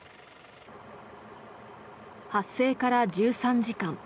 発生から１３時間。